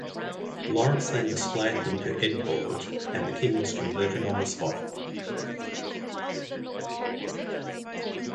Laurence then displayed them to Eadbald, and the king was converted on the spot.